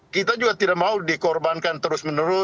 kita juga tidak mau dikorbankan terus menerus